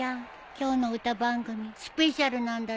今日の歌番組スペシャルなんだってさ。